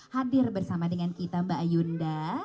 hadir bersama dengan kita mbak ayunda